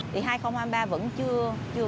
thì hai nghìn hai mươi ba vẫn chưa có khả quan